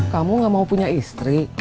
kamu gak mau punya istri